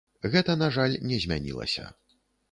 Гэта, на жаль, не змянілася.